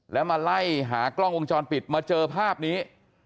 แล้วมาไล่หากล้องวงจรปิดมาเจอภาพนี้